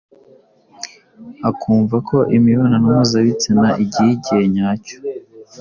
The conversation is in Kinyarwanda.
akumva ko imibonano mpuzabitsina igira igihe nyacyo